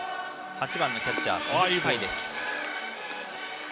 ８番のキャッチャー鈴木海偉。